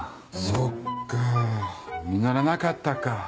そっか実らなかったか。